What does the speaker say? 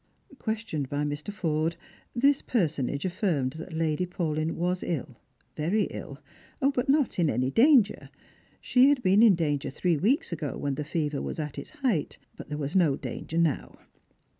Questioned by Mr. Forde, this personage affirmed that Lady Paulyn was ill, very ill ; but not in any danger. She had been in danger three weeks ago, when the fever was at its height ; but there was no danger now.